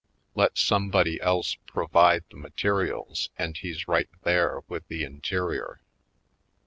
Let somebody else provide the materials and he's right there with the interior.